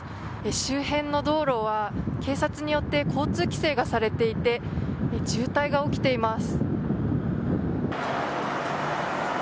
周辺の道路は警察によって交通規制がされていて渋滞が起きています。